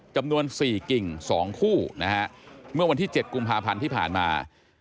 จำนวน๔กิ่ง๒คู่นะฮะเมื่อวันที่๗กุมภาพันธ์ที่ผ่านมา